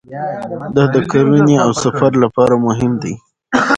دا د کرنې او سفر لپاره مهم دی.